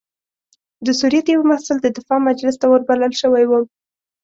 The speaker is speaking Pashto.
د سوریې د یوه محصل د دفاع مجلس ته وربلل شوی وم.